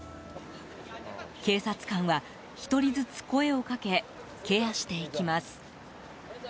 警察官は、１人ずつ声をかけケアしていきます。